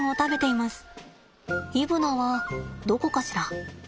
イブナはどこかしら。